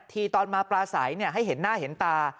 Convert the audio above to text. ทีตอนมาปลาใสให้เห็นหน้าเห็นตา